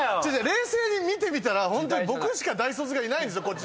冷静に見てみたら僕しか大卒がいないんですこっちのチーム。